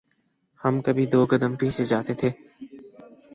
ہم کبھی دو قدم پیچھے جاتے تھے۔